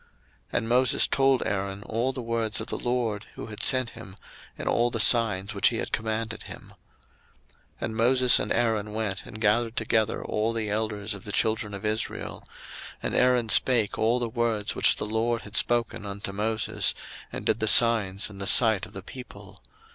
02:004:028 And Moses told Aaron all the words of the LORD who had sent him, and all the signs which he had commanded him. 02:004:029 And Moses and Aaron went and gathered together all the elders of the children of Israel: 02:004:030 And Aaron spake all the words which the LORD had spoken unto Moses, and did the signs in the sight of the people.